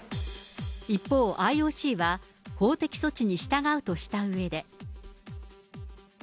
一方、ＩＯＣは、法的措置に従うとしたうえで。